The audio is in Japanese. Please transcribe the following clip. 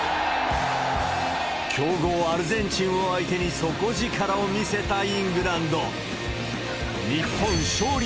強豪アルゼンチンを相手に、底力を見せたイングランド。